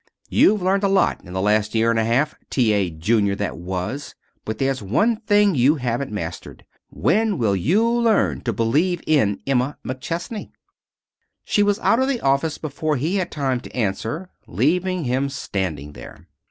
You've learned a lot in the last year and a half, T. A. Junior that was, but there's one thing you haven't mastered. When will you learn to believe in Emma McChesney?" She was out of the office before he had time to answer, leaving him standing there.